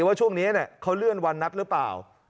ว่าช่วงนี้เขาเลื่อนวันนัดหรือเปล่า